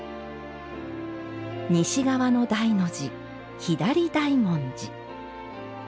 西側の大の字、「左大文字」。